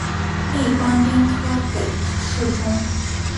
历官兵科给事中。